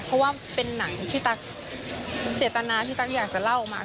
เพราะว่าเป็นหนังที่ตั๊กเจตนาที่ตั๊กอยากจะเล่ามา